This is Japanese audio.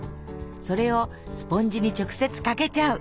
それをスポンジに直接かけちゃう！